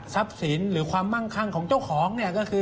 สินหรือความมั่งคั่งของเจ้าของเนี่ยก็คือ